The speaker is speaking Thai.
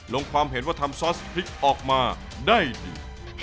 ลงความเห็นว่าทำซอสพริกออกมาได้ดี